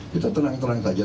kita tenang tenang saja